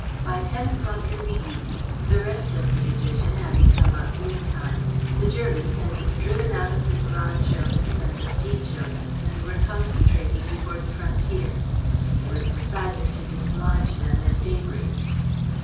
By ten o'clock in the evening, the rest of the division having come up meantime, the Germans had been driven out of the Grand Jonas and the Petit Jonas and were concentrating before the frontier. It was decided to dislodge them at daybreak.